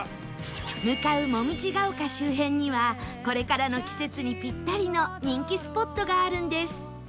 向かう紅葉ヶ丘周辺にはこれからの季節にぴったりの人気スポットがあるんです